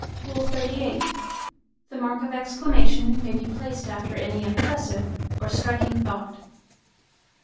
XXXVIII. The mark of exclamation may be placed after any impressive or striking thought.